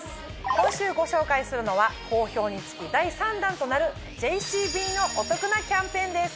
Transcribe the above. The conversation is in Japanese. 今週ご紹介するのは好評につき第３弾となるＪＣＢのお得なキャンペーンです。